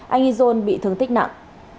anh izon bị thương tích nặng